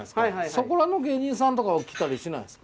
そこらの芸人さんとかは来たりしないんですか？